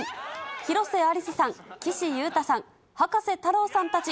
広瀬アリスさん、岸優太さん、葉加瀬太郎さんたち